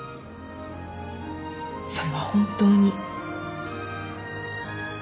それは本当に。